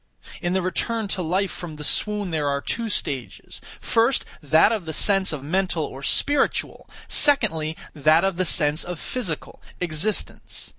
In the return to life from the swoon there are two stages; first, that of the sense of mental or spiritual; secondly, that of the sense of physical, existence.